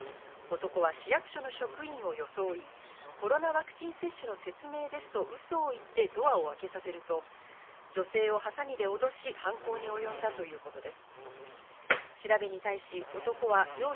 男は市役所の職員を装い、コロナワクチン接種の説明ですと嘘を言ってドアを開けさせると女性をハサミでおどし犯行におよんだということです。